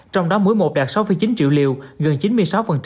trong đó mỗi một đạt sáu chín triệu liều gần chín mươi sáu